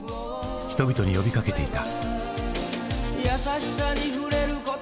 人々に呼びかけていた。